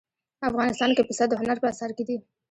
افغانستان کې پسه د هنر په اثار کې دي.